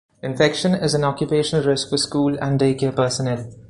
Infection is an occupational risk for school and day-care personnel.